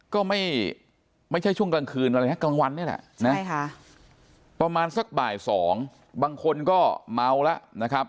ก็ไม่ใช่ช่วงกลางคืนอะไรนะกลางวันนี่แหละนะประมาณสักบ่าย๒บางคนก็เมาแล้วนะครับ